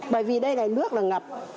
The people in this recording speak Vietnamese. bởi vì đây là nước là ngập